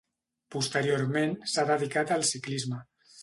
Posteriorment s'ha dedicat al ciclisme.